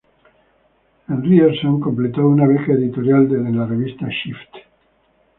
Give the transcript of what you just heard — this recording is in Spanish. En Ryerson, completó una beca editorial en la revista "Shift".